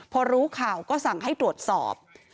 พอรู้ข่าวก็สั่งให้ตรวจสอบ